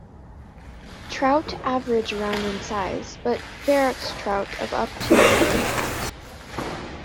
Trout average around in size, but ferox trout of up to have been caught.